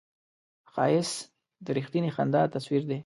ښایست د رښتینې خندا تصویر دی